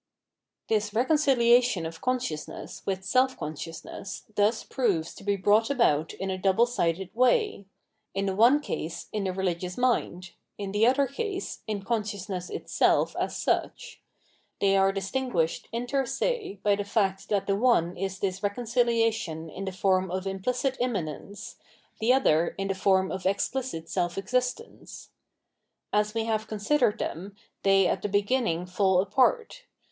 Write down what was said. This reconciliation of consciousness with self con sciousness thus proves to be brought about in a double sided way ; in the one case, in the religious mind, in the other case, in consciousness itself as such. They are distinguished inter se by the fact that the one is this reconciliation in the form of implicit immanence, the other in the form of explicit self existence. As 806 Phenomenology of Mind we have considered them, they at the beginning fall apart.